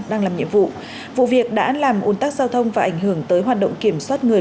đang làm nhiệm vụ vụ việc đã làm ôn tắc giao thông và ảnh hưởng tới hoạt động kiểm soát người